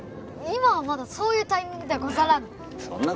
今はまだそういうタイミングではござらぬ。